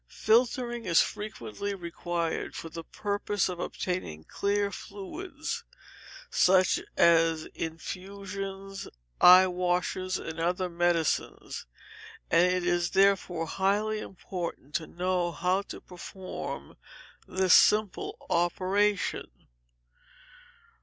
Filtering is frequently required for the purpose of obtaining clear fluids, such as infusions, eye washes, and other medicines; and it is, therefore, highly important to know how to perform this simple operation.